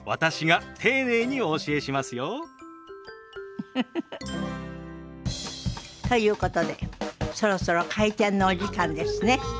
ウフフフ。ということでそろそろ開店のお時間ですね。